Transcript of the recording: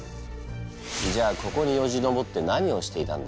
じゃあここによじ登って何をしていたんだ？